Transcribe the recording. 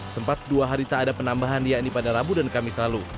sempat dua hari tak ada penambahan yakni pada rabu dan kamis lalu